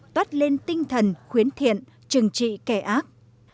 bắt lên tinh thần khuyến thiện trừng trị kẻ ác